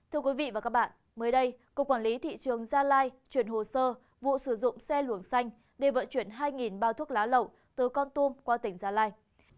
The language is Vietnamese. thưa quý vị và các bạn mới đây cục quản lý thị trường gia lai chuyển hồ sơ vụ sử dụng xe luồng xanh để vận chuyển hai bao thuốc lá lậu từ con tum qua tỉnh gia lai